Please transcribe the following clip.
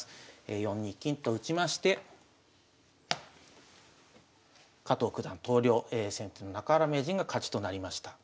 ４二金と打ちまして加藤九段投了先手の中原名人が勝ちとなりました。